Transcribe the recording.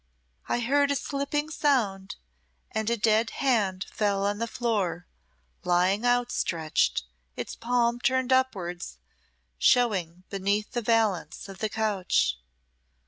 "I heard a slipping sound, and a dead hand fell on the floor lying outstretched, its palm turned upwards, showing beneath the valance of the couch."